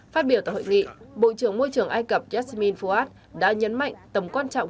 phát biểu tại hội nghị bộ trưởng môi trường ai cập jasmine fuad đã nhấn mạnh tầm quan trọng